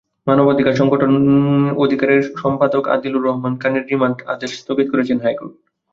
মানবাধিকার সংগঠন অধিকারের সম্পাদক আদিলুর রহমান খানের রিমান্ড আদেশ স্থগিত করেছেন হাইকোর্ট।